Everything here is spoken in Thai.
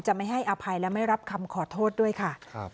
ไม่ให้อภัยและไม่รับคำขอโทษด้วยค่ะ